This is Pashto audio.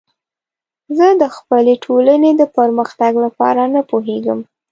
زه د خپلې ټولنې د پرمختګ لپاره نه پوهیږم.